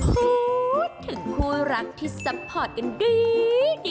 พูดถึงคู่รักที่ซัพพอร์ตกันดี